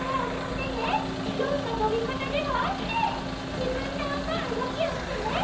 じぶんがおもううごきをしてね！